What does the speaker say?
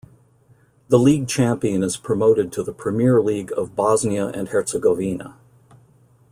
The league champion is promoted to the Premier League of Bosnia and Herzegovina.